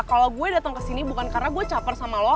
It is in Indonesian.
kalau gue datang ke sini bukan karena gue capar sama lo